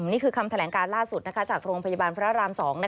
นี่คือคำแถลงการล่าสุดจากโรงพยาบาลพระราม๒